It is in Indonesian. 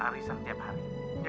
arisan tiap hari